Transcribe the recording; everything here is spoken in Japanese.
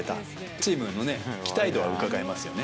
チームの期待度はうかがえますよね。